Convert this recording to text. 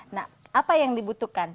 nah apa yang dibutuhkan